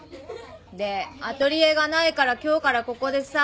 でアトリエがないから今日からここでさ。